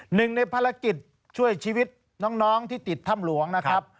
หนึ่งในภารกิจช่วยชีวิตน้องที่ติดถ้ำหลวงนะครับ